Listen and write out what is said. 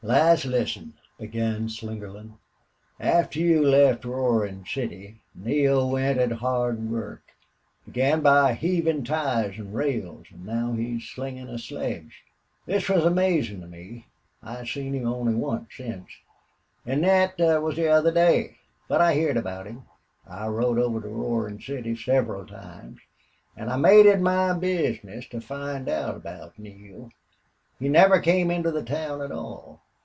"Lass, listen!" began Slingerland. "After you left Roarin' City Neale went at hard work. Began by heavin' ties an' rails, an' now he's slingin' a sledge.... This was amazin' to me. I seen him only onct since, an' thet was the other day. But I heerd about him. I rode over to Roarin' City several times. An' I made it my bizness to find out about Neale.... He never came into the town at all.